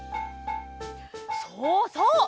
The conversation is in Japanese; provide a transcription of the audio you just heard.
そうそう！